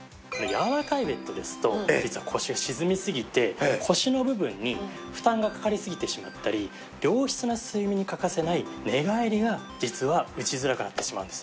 やわらかいベッドですと実は腰が沈みすぎて腰の部分に負担がかかりすぎてしまったり良質な睡眠に欠かせない寝返りが実は打ちづらくなってしまうんです。